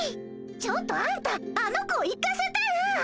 ちょっとあんたあの子を行かせたら。